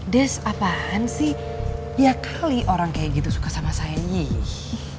des apaan sih ya kali orang kayak gitu suka sama saya